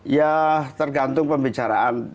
ya tergantung pembicaraan